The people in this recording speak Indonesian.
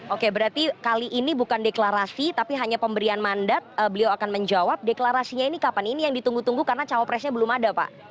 oke berarti kali ini bukan deklarasi tapi hanya pemberian mandat beliau akan menjawab deklarasinya ini kapan ini yang ditunggu tunggu karena cawapresnya belum ada pak